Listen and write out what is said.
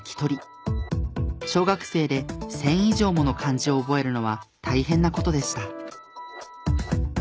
小学生で１０００以上もの漢字を覚えるのは大変な事でした。